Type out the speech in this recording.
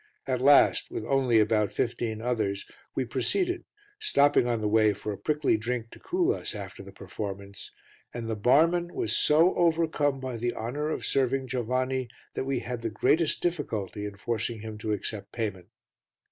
At last, with only about fifteen others, we proceeded, stopping on the way for a prickly drink to cool us after the performance, and the barman was so overcome by the honour of serving Giovanni that we had the greatest difficulty in forcing him to accept payment.